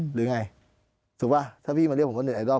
หรือไงถูกป่ะถ้าพี่มาเรียกผมคนอื่นไอดอ